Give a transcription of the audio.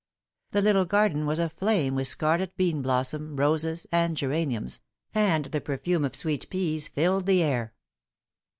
The little garden was aflame with scarlet bean blossom, roses, and gera niums, and the perfume of sweet peas filled the air.